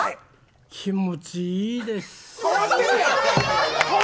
気持ちいいです。